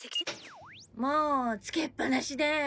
もうつけっぱなしで。